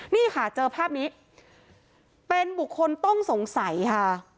นี่ค่ะเจอภาพนี้เป็นบุคคลต้องสงสัยค่ะ